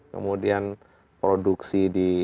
kemudian produksi di